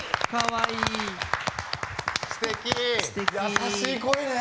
優しい声ね！